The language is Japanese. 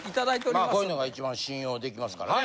まあこういうのが一番信用できますからね。